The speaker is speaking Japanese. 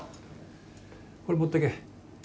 これ持ってけ。